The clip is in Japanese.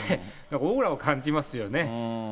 オーラを感じますよね。